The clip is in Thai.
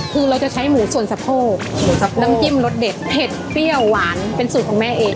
คือเราจะใช้หมูส่วนสะโพกน้ำจิ้มรสเด็ดเผ็ดเปรี้ยวหวานเป็นสูตรของแม่เอง